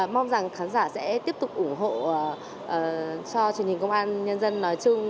mong rằng khán giả sẽ tiếp tục ủng hộ cho truyền hình công an nhân dân nói chung